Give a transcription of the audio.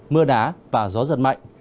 mưa đá và gió giật mạnh